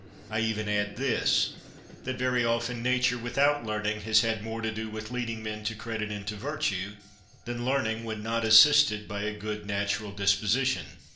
I even add this, that very often nature without learning has had more to do with leading men to credit and to virtue, than learning when not assisted by a good natural disposition.